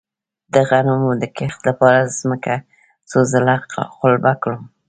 د غنمو د کښت لپاره ځمکه څو ځله قلبه کړم؟